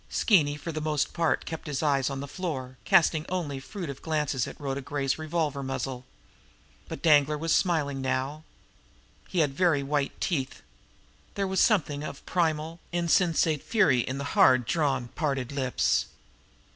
Skeeny for the most part kept his eyes on the floor, casting only furtive glances at Rhoda Gray's revolver muzzle. But Danglar was smiling now. He had very white teeth. There was something of primal, insensate fury in the hard drawn, parted lips.